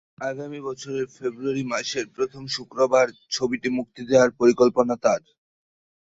আগামী বছরের ফেব্রুয়ারি মাসের প্রথম শুক্রবার ছবিটি মুক্তি দেওয়ার পরিকল্পনা তাঁর।